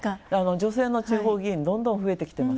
女性の地方議員どんどん増えてきています。